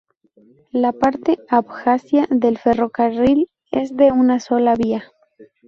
La parte abjasia del ferrocarril es de una sola vía.